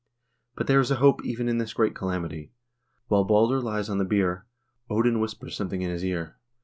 But there is a hope even in this great calamity. While Balder lies on the bier, Odin whispers something in his ear.